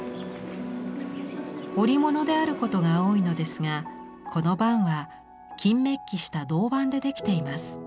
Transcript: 織物であることが多いのですがこの幡は金メッキした銅板で出来ています。